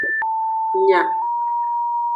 Nya.